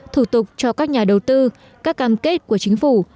thủ tục cho các nhà đầu tư các cam kết của chính phủ